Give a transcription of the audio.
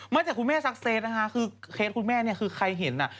จากคุณแม่ซักเซตนะคะคือเคสคุณแม่เนี่ยคือใครเห็นอ่ะ